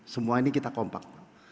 semua ini kita kompak